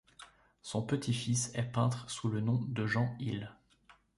Son petit-fils est peintre sous le nom de Jean Hil.